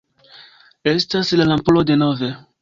Estas la lampulo denove...